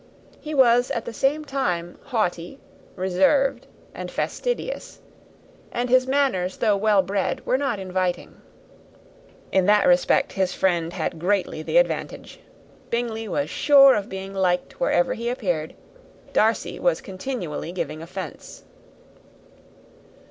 He was at the same time haughty, reserved, and fastidious; and his manners, though well bred, were not inviting. In that respect his friend had greatly the advantage. Bingley was sure of being liked wherever he appeared; Darcy was continually giving offence.